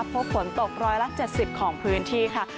พบฝนตกร้อยละ๗๐ของพื้นที่ค่ะ